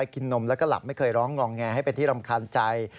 กินนมแล้วก็หลับไม่เคยร้องงองแงให้เป็นที่รำคาญใจ